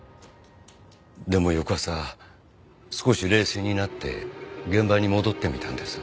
でも翌朝少し冷静になって現場に戻ってみたんです。